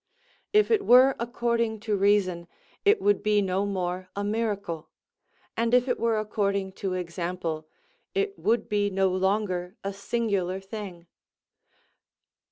If it were according to reason, it would be no more a miracle; and if it were according to example, it would be no longer a singular thing.